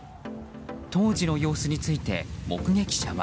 当時の様子について目撃者は。